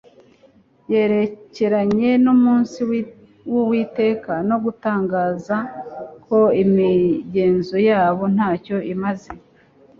yerekeranye n’umunsi w’Uwiteka no gutangaza ko imigenzo yabo ntacyo imaze.